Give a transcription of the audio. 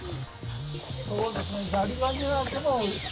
そうですね。